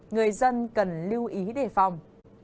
người dân cần lưu ý đề phòng